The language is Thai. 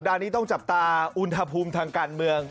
นี้ต้องจับตาอุณหภูมิทางการเมือง